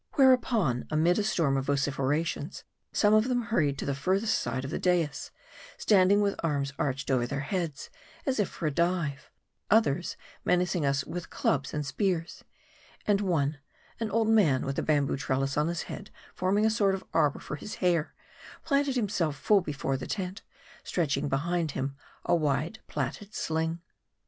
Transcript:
Whereupon, amid a storm of vociferations, some of them hurried to the furthest side of their dais ; standing with arms arched over their l;eads, as if for a dive ; others menacing us with clubs and spears ; and one, an old man with a bamboo trellis on his head forming a sort of arbor for his hair, planted himself full before the tent, stretching behind him a wide plaited sling.